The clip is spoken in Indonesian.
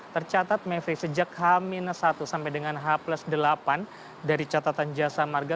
tercatat mevri sejak h satu sampai dengan h delapan dari catatan jasa marga